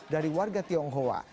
dari warga tionghoa